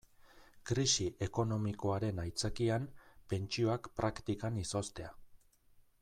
Krisi ekonomikoaren aitzakian pentsioak praktikan izoztea.